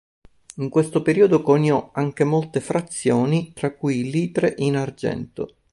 In questo periodo coniò anche molte frazioni, tra cui litre in argento.